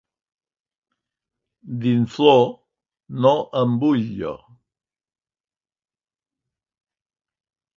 D'inflor, no en vull jo.